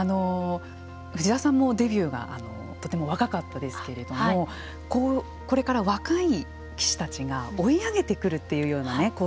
藤沢さんもデビューがとても若かったですけれどもこれから若い棋士たちが追い上げてくるというような構図になると思います。